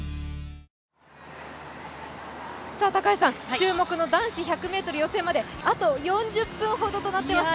注目の男子１００ｍの予選まで、あと４０分ほどとなっていますね。